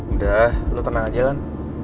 udah lu tenang aja kan